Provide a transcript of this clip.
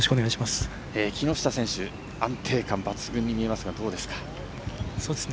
木下選手、安定感抜群に見えますがどうですか。